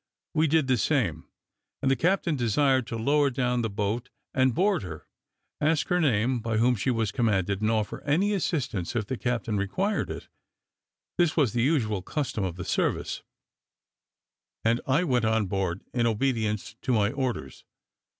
We did the same; and the captain desired me to lower down the boat, and board her, ask her name, by whom she was commanded, and offer any assistance if the captain required it. This was the usual custom of the service, and I went on board in obedience to my orders.